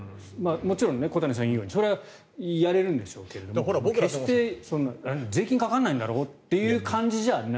もちろん小谷さんが言うようにそれはやれるんでしょうが決して税金がかからないんだろという感じではない。